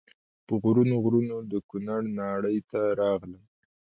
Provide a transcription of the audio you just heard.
په غرونو غرونو د کونړ ناړۍ ته راغلم.